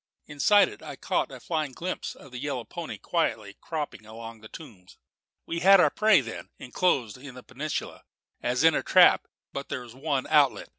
Inside it I caught a flying glimpse of the yellow pony quietly cropping among the tombs. We had our prey, then, enclosed in that peninsula as in a trap; but there was one outlet.